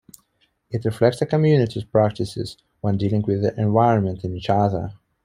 It reflects a communities practices when dealing with the environment and each other.